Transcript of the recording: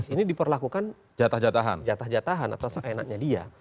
ini diperlakukan jatah jatah jatahan atau seenaknya dia